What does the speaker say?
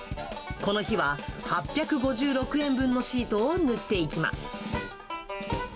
この日は８５６円分のシートを塗っていきます。